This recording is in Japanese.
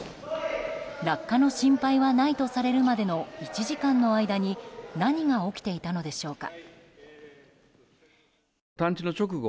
落下の心配はないとされるまでの１時間の間に何が起きていたのでしょうか。